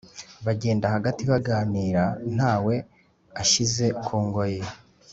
bagenda hagati baganira ntawe ashyize kungoyi.